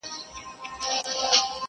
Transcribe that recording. کلونه وروسته هم يادېږي تل